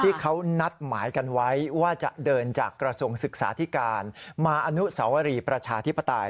ที่เขานัดหมายกันไว้ว่าจะเดินจากกระทรวงศึกษาธิการมาอนุสาวรีประชาธิปไตย